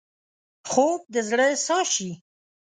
خوب د زړه ساه شي